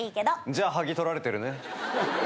じゃあ剥ぎ取られてるね。